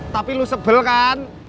tapi lo sebel kan